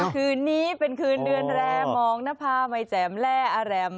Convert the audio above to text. คืนนี้เป็นคืนเดือนแรมมองหน้าภาพไม่แจ๋มและอารมณ์